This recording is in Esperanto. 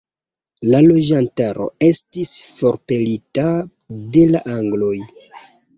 La loĝantaro estis forpelita de la angloj.